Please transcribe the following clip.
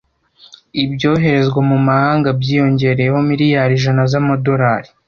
Ibyoherezwa mu mahanga byiyongereyeho miliyari ijana z'amadolari.